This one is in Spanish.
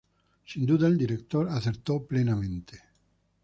Sin duda, el director acertó plenamente.